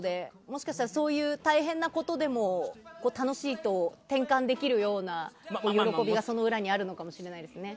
もしかしたらそういう大変なことでも楽しいと変換できるような喜びがその裏にあるのかもしれないですね。